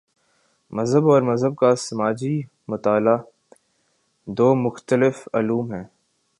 مذہب اور مذہب کا سماجی مطالعہ دو مختلف علوم ہیں۔